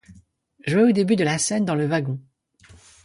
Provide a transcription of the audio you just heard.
Jouée au début de la scène dans le wagon.